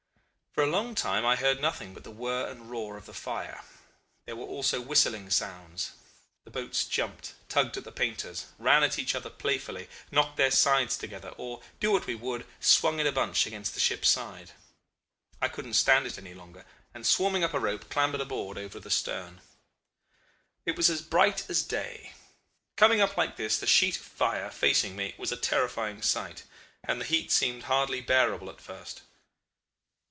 For a long time I heard nothing but the whir and roar of the fire. There were also whistling sounds. The boats jumped, tugged at the painters, ran at each other playfully, knocked their sides together, or, do what we would, swung in a bunch against the ship's side. I couldn't stand it any longer, and swarming up a rope, clambered aboard over the stern. "It was as bright as day. Coming up like this, the sheet of fire facing me, was a terrifying sight, and the heat seemed hardly bearable at first.